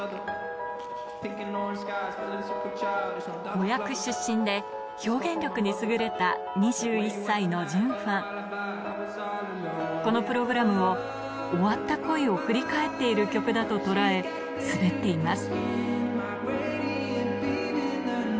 子役出身で表現力に優れた２１歳のジュンファンこのプログラムを終わった恋を振り返っている曲だと捉え滑っています